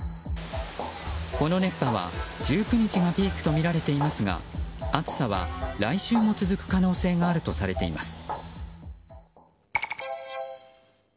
この熱波は１９日がピークとみられていますが暑さは来週も続く可能性があるとされています。